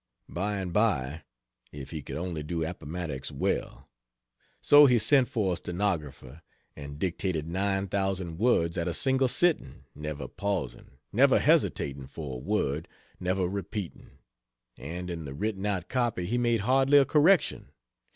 By and by if he could only do Appomattox well. So he sent for a stenographer, and dictated 9,000 words at a single sitting! never pausing, never hesitating for a word, never repeating and in the written out copy he made hardly a correction.